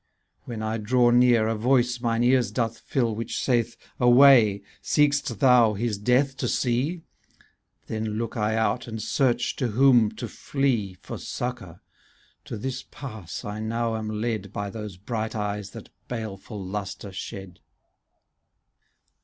*° When I draw near, a voice mine ears doth fill. Which saith; "Away! seek'st thou his death to sec?" Then look I out, and search to whom to flee For succour :— to this pass I now am led By those bright eyes that baleful lustre shed.